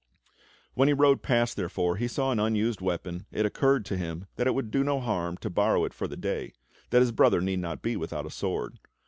When he rode past, therefore, and saw an unused weapon it occurred to him that it would do no harm to borrow it for the day, that his brother need not be without a sword.